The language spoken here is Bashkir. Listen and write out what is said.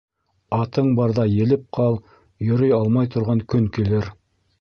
Атың барҙа елеп ҡал, йөрөй алмай торған көн килер.